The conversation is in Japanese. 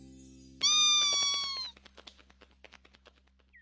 ピ！